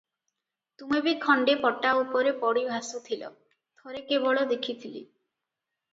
ତୁମେବି ଖଣ୍ଡେ ପଟା ଉପରେ ପଡ଼ି ଭାସୁଥିଲ, ଥରେ କେବଳ ଦେଖିଥିଲି ।